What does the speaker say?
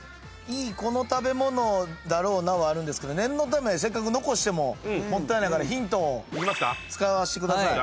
この食べ物だろうなはあるんですけど念のため残してももったいないからヒントを使わせてください。